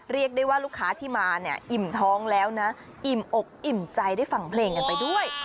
เรียกได้ว่าลูกค้าที่มาเนี่ยอิ่มท้องแล้วนะอิ่มอกอิ่มใจได้ฟังเพลงกันไปด้วย